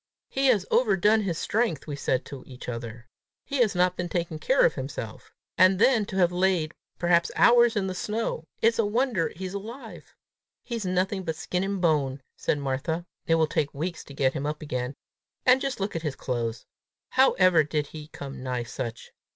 "He has overdone his strength!" we said to each other. "He has not been taking care of himself! And then to have lain perhaps hours in the snow! It's a wonder he's alive!" "He's nothing but skin and bone!" said Martha. "It will take weeks to get him up again! And just look at his clothes! How ever did he come nigh such!